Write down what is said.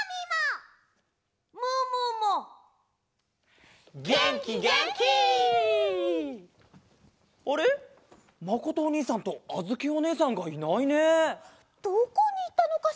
まことおにいさんとあづきおねえさんがいないね。